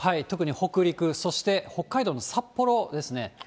特に北陸、そして北海道の札幌ですね。